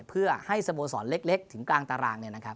เพื่อให้สโมสรเล็กถึงกลางตาราง